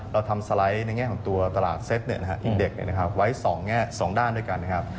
เราทำสไลด์ในแง่ของตัวตลาดเซตที่เด็กไว้๒ด้านด้วยกันนะครับ